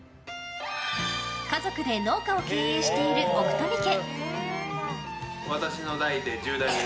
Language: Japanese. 家族で農家を経営している奥冨家。